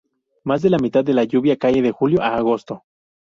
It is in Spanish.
Más de la mitad de la lluvia cae de julio a agosto.